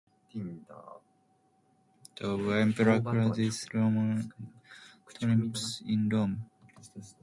He was exhibited as part of the emperor Claudius's Roman triumph in Rome.